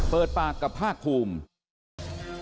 เปิดปากกับภาคภูมิ